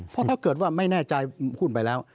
เพราะถ้าเกิดว่าไม่แน่ใจหุ้นไปแล้ว